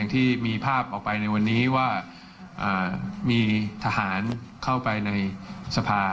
ที่มีภาพออกไปในวันนี้ว่ามีทหารเข้าไปในสภา